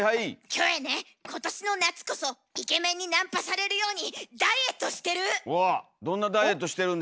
キョエね今年の夏こそイケメンにナンパされるようにダイエットしてる！